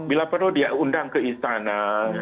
bila perlu dia undang ke istana